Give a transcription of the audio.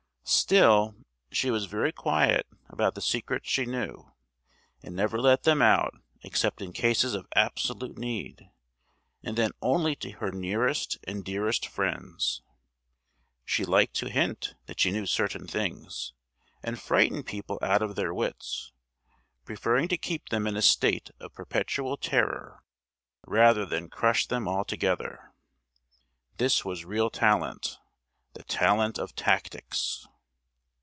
Still, she was very quiet about the secrets she knew, and never let them out except in cases of absolute need, and then only to her nearest and dearest friends. She liked to hint that she knew certain things, and frighten people out of their wits; preferring to keep them in a state of perpetual terror, rather than crush them altogether. This was real talent—the talent of tactics.